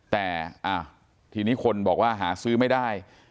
แต่คนบอกว่าหาซื้อไม่ได้